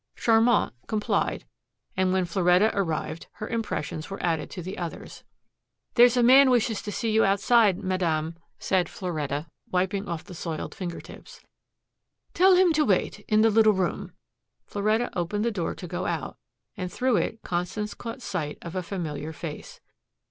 Charmant complied, and when Floretta arrived her impressions were added to the others. "There's a man wishes to see you, outside, Madame," said Floretta, wiping off the soiled finger tips. "Tell him to wait in the little room." Floretta opened the door to go out and through it Constance caught sight of a familiar face.